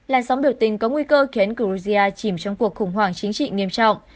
làn sóng biểu tình có nguy cơ khiến cea chìm trong cuộc khủng hoảng chính trị nghiêm trọng